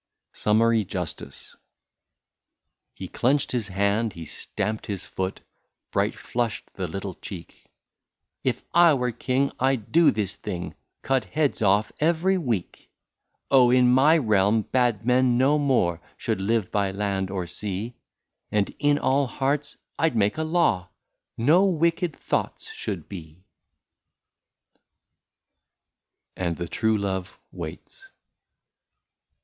200 SUMMARY JUSTICE. He clenched his hand, he stamped his foot, Bright flushed the little cheek :" If I were King, I 'd do this thing — Cut heads off every week. * Oh ! in my realm bad men no more Should live by land or sea ; And in all hearts, — I *d make a law, No wicked thoughts should be !" 20I AND THE TRUE LOVE WAITS.